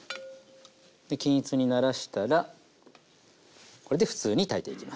で均一にならしたらこれで普通に炊いていきます。